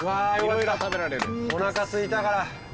おなかすいたから。